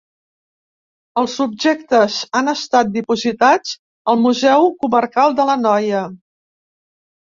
Els objectes han estat dipositats al Museu Comarcal de l'Anoia.